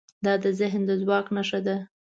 دا د ذهن د ځواک نښه ده.